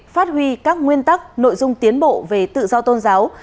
phát huy các nguyên tắc nội dung tiến bộ về tự do tôn giáo